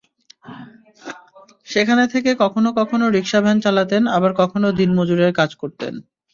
সেখানে থেকে কখনো রিকশা ভ্যান চালাতেন, আবার কখনও দিনমজুরের কাজ করতেন।